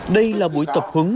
đây là buổi tập hứng